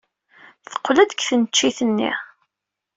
Teqqel-d seg tneččit-nni.